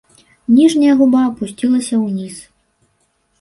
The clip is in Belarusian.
Ніжняя губа апусцілася ўніз.